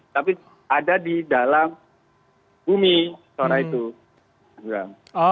tapi ada di dalam bumi suara itu